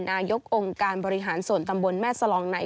นายกองค์การบริหารส่วนตำบลแม่สลองใน